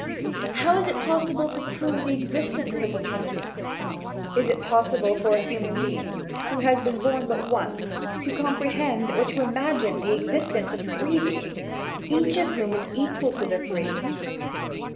How is it possible to prove the existence of the Trinity? Is it possible for a human being, who has been born but once, to comprehend, or to imagine the existence of three beings, each of whom is equal to the three?